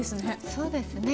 そうですね